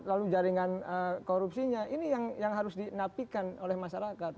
lalu jaringan korupsinya ini yang harus dinapikan oleh masyarakat